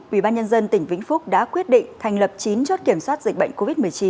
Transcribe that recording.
ubnd tỉnh vĩnh phúc đã quyết định thành lập chín chốt kiểm soát dịch bệnh covid một mươi chín